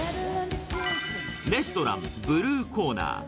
レストラン、ブルーコーナー。